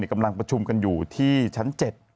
กำลังประชุมกันอยู่ที่ชั้น๗